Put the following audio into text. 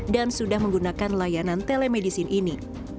dan sudah menggunakan layanan telemedisin ini